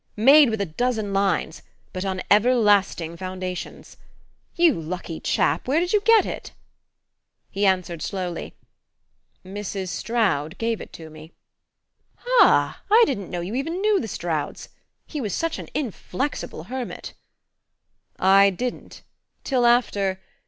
Made with a dozen lines but on everlasting foundations. You lucky chap, where did you get it?" He answered slowly: "Mrs. Stroud gave it to me." "Ah I didn't know you even knew the Strouds. He was such an inflexible hermit." "I didn't till after....